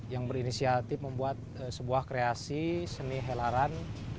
yang berinisiatif membuat sebuah kreasi seni helaran